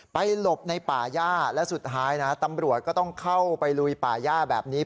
หลบในป่าย่าและสุดท้ายนะตำรวจก็ต้องเข้าไปลุยป่าย่าแบบนี้